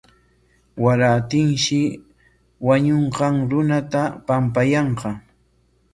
Warantinshi wañunqan runata pampayanqa.